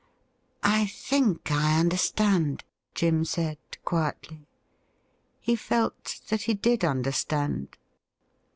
' I think I understand,' Jim said quietly. He felt that he did understand.